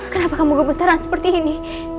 kenapa kamu gemetaran seperti ini